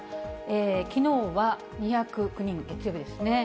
きのうは２０９人、月曜日ですね。